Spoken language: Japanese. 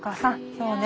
そうね。